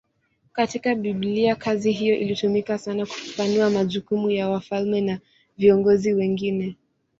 Katika Biblia kazi hiyo ilitumika sana kufafanua majukumu ya wafalme na viongozi wengine.